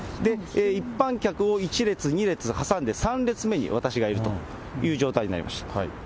一般客を１列、２列挟んで３列目に私がいるという状態になりました。